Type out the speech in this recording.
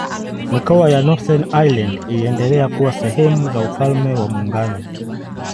Mikoa ya Northern Ireland iliendelea kuwa sehemu za Ufalme wa Muungano.